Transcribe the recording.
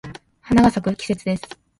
花が咲く季節です。